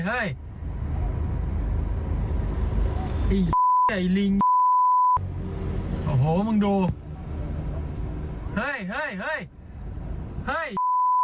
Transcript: ไอ้ไอ้ลิงโอ้โหมึงดูเฮ้ยเฮ้ยเฮ้ยให้โอ้โห